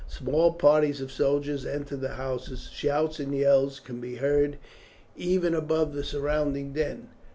Small parties of soldiers entered the houses. Shouts and yells could be heard even above the surrounding din.